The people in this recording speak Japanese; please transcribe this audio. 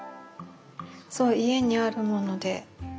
そう家にあるもので何でも。